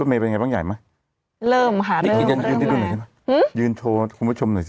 รอบนี้ปุ๊ตแวะมาหาที่บ้านเนี่ย